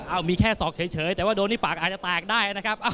เอามีแค่ศอกเฉยแต่ว่าโดนที่ปากอาจจะแตกได้นะครับ